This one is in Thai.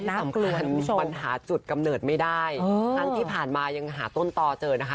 สำคัญปัญหาจุดกำเนิดไม่ได้ทั้งที่ผ่านมายังหาต้นตอเจอนะคะ